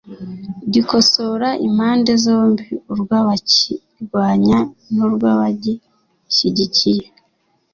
gikosora impande zombi: urw’abakirwanya n’urw’abagishyigikiye.